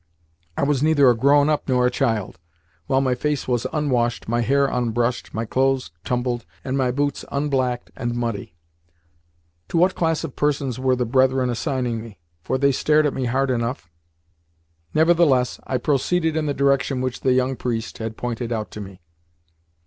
I was neither a grown up nor a child, while my face was unwashed, my hair unbrushed, my clothes tumbled, and my boots unblacked and muddy. To what class of persons were the brethren assigning me for they stared at me hard enough? Nevertheless I proceeded in the direction which the young priest had pointed out to me.